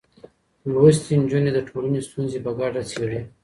لوستې نجونې د ټولنې ستونزې په ګډه څېړي.